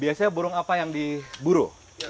biasanya burung apa yang diburu